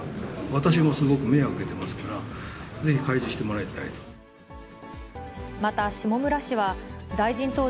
私もすごく迷惑を受けてますから、ぜひ開示してもらいたいと。